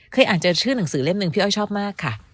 อาจจะชื่อหนังสือเล่มหนึ่งพี่อ้อยชอบมากค่ะ